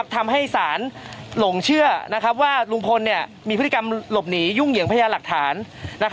ทำให้ศาลหลงเชื่อว่าลุงพลมีพฤติกรรมหลบหนียุ่งเหยิงพญาหลักฐาน